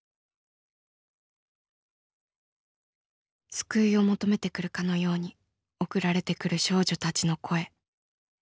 救いを求めてくるかのように送られてくる少女たちの声。